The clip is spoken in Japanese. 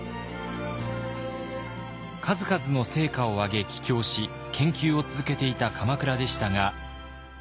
数々の成果を上げ帰京し研究を続けていた鎌倉でしたが。